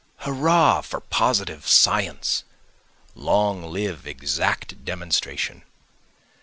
Hurrah for positive science! long live exact demonstration!